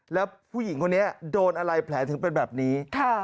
แล้วผู้หญิงคนนี้โดนอะไรแผลถึงเป็นแบบนี้